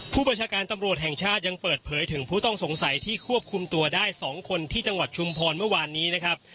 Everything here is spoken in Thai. ประชาการตำรวจแห่งชาติยังเปิดเผยถึงผู้ต้องสงสัยที่ควบคุมตัวได้๒คนที่จังหวัดชุมพรเมื่อวานนี้นะครับ